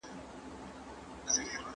زه به اوږده موده کتابتون ته راغلی وم،